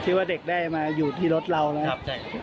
ว่าเด็กได้มาอยู่ที่รถเรานะครับ